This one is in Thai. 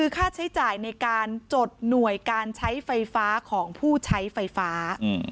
ค่าใช้จ่ายในการจดหน่วยการใช้ไฟฟ้าของผู้ใช้ไฟฟ้า